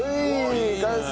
完成！